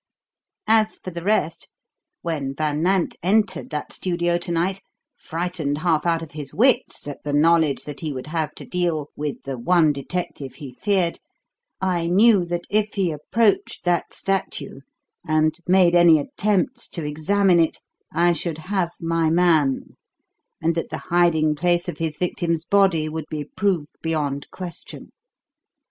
"As for the rest; when Van Nant entered that studio to night, frightened half out of his wits at the knowledge that he would have to deal with the one detective he feared, I knew that if he approached that statue and made any attempts to examine it I should have my man, and that the hiding place of his victim's body would be proved beyond question.